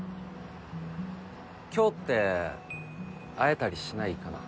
今日って会えたりしないかな？